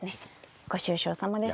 ご愁傷さまです。